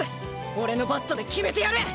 俺のバットで決めてやる！